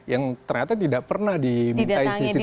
yang ternyata tidak pernah dimintai cctv nya yang dekat